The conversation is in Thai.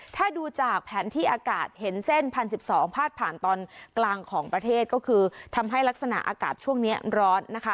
ถ้าดูจากแผนที่อากาศเห็นเส้น๑๐๑๒พาดผ่านตอนกลางของประเทศก็คือทำให้ลักษณะอากาศช่วงนี้ร้อนนะคะ